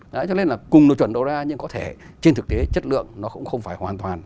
đấy cho nên là cùng độ chuẩn đầu ra nhưng có thể trên thực tế chất lượng nó cũng không phải hoàn toàn